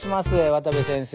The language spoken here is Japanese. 渡部先生。